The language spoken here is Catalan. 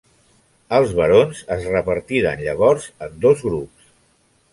Els barons es repartiren llavors en dos grups.